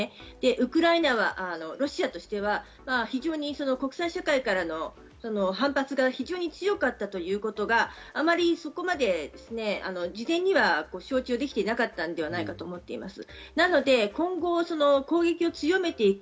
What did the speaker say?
ウクライナはロシアとしては非常に国際社会からの反発が強かったということがあまりそこまで事前にはできていなかったのではないかと思います。